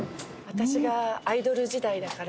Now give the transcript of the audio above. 私がアイドル時代だから。